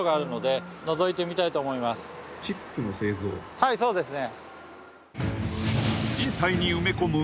はいはいそうですね